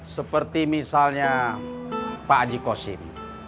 seperti misalnya pak haji kosim